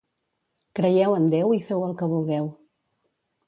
Creieu en Déu i feu el que vulgueu.